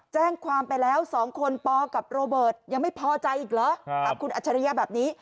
แจ้งความไปแล้ว๒คนปกับโรเบิร์ตยังไม่พอใจอีกเหรอถามคุณอัจฉริยะแบบนี้